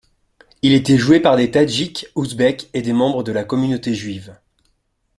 Il était joué par des Tadjikes, Ouzbeks et des membres de la communauté juive.